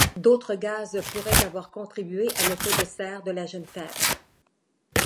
D’autres gaz pourraient avoir contribué à l'effet de serre de la jeune Terre.